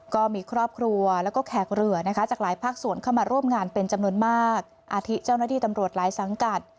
ก็มีครอบครัวแล้วก็แขกเรือนะคะจากหลายภาคส่วนเข้ามาร่วมงานเป็นจำนวนมากอาทิตเจ้าหน้าที่ตำรวจหลายสังกัด